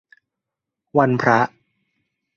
วันพระ